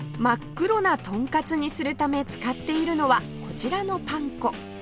真っ黒なトンカツにするため使っているのはこちらのパン粉